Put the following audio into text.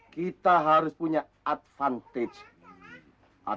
kita harus punya keuntungan